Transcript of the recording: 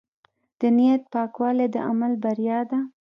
د نیت پاکوالی د عمل بریا ده.